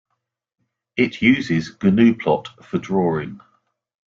It uses gnuplot for drawing.